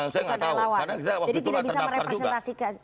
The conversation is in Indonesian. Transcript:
saya tidak tahu karena saya waktu itu tidak terdaftar juga